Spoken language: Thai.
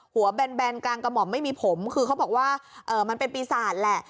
แบนกลางกระหม่อมไม่มีผมคือเขาบอกว่ามันเป็นปีศาจแหละ